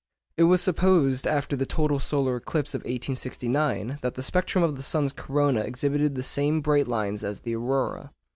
It was supposed after the total solar eclipse of 1869 that the spectrum of the sun's corona exhibited the same bright lines as the aurora.